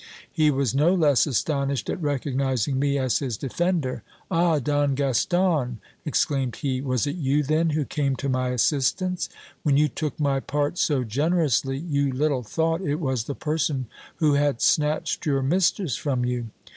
He was no less astonished at recognizing me as his defender. Ah, Don Gaston ! exclaimed he, was it you, then, who came to my assistance ? When you took my part so generously, you little thought it was the person who had snatched your mistress from you.